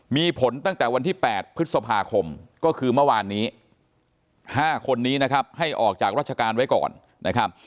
มีผลตั้งแต่วันที่๘พฤษภาคมก็คือเมื่อวานนี้๕คนนี้นะครับให้ออกจากราชการไว้ก่อนนะครับ